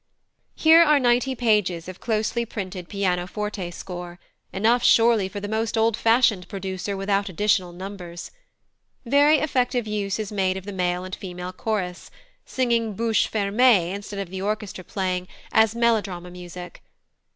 Here are ninety pages of closely printed pianoforte score; enough, surely, for the most old fashioned producer without additional numbers. Very effective use is made of the male and female chorus, singing bouche fermée instead of the orchestra playing, as melodrama music.